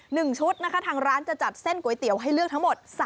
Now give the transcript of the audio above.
หนึ่งชุดนะคะทางร้านจะจัดเส้นก๋วยเตี๋ยวให้เลือกทั้งหมด